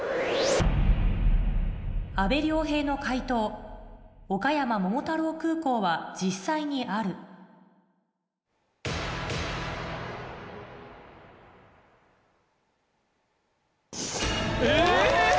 阿部亮平の解答「岡山桃太郎空港」は実際にあるえ！